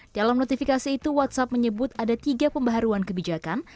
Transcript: dalam notifikasi itu whatsapp menyebut ada tiga pembaharuan kebijakan